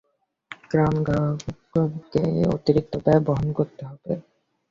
কারণ, গ্রাহককেই এই অতিরিক্ত ব্যয় বহন করতে হবে।